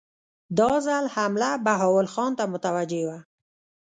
دا ځل حمله بهاول خان ته متوجه وه.